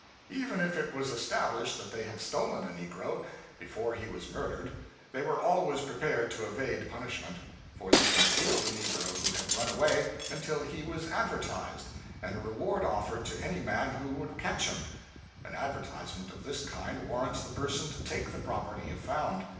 Even if it was established that they had stolen a negro, before he was murdered, they were always prepared to evade punishment; for they concealed the negro who had run away, until he was advertised, and a reward offered to any man who would catch him. An advertisement of this kind warrants the person to take the property, if found.